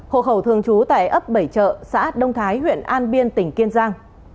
hộ khẩu thường trú tại ấp bảy chợ xã đông thái huyện an biên tỉnh kiên giang